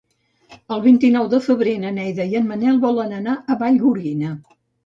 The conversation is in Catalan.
El vint-i-nou de febrer na Neida i en Manel volen anar a Vallgorguina.